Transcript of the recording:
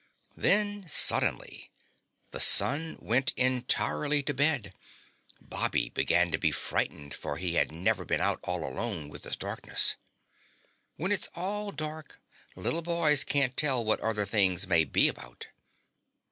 Then suddenly the sun went entirely to bed. Bobby began to be frightened for he had never been out all alone with the darkness. When it's all dark, little boys can't tell what other things may be about.